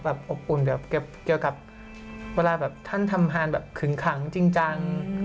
อบอุ่นแบบเกี่ยวกับเวลาแบบท่านทำงานแบบขึงขังจริงจัง